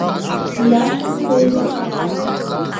Ииашаны уеилыскаауеит.